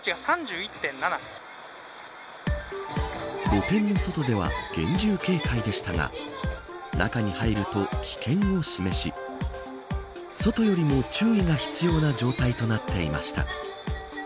露店の外では厳重警戒でしたが中に入ると危険を示し外よりも注意が必要な状態となっていました。